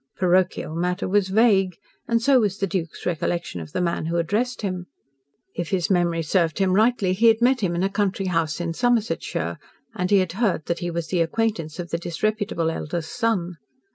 "Parochial matter" was vague, and so was the Duke's recollection of the man who addressed him. If his memory served him rightly, he had met him in a country house in Somersetshire, and had heard that he was the acquaintance of the disreputable eldest son.